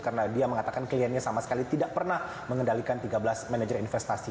karena dia mengatakan kliennya sama sekali tidak pernah mengendalikan tiga belas manajer investasi